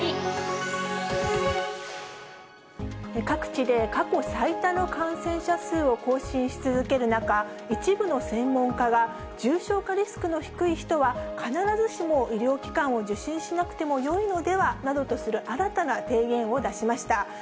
各地で過去最多の感染者数を更新し続ける中、一部の専門家が、重症化リスクの低い人は、必ずしも医療機関を受診しなくてもよいのではなどとする新たな提言を出しました。